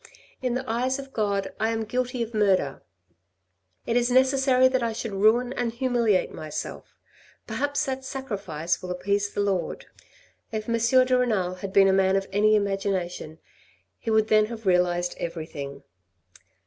In the eyes of God I am guilty of murder. It is necessary that I should ruin and humiliate myself. Perhaps that sacrifice will appease the the Lord." If M. de Renal had been a man of any imagination, he would then have realized everything.